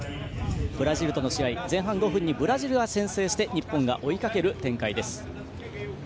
ブラジルとの試合、前半５分にブラジルが先制して日本が追いかける展開です。